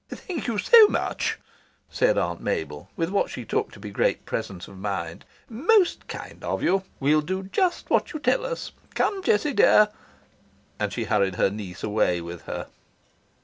"Thank you SO much," said Aunt Mabel, with what she took to be great presence of mind. "MOST kind of you. We'll do JUST what you tell us. Come, Jessie dear," and she hurried her niece away with her.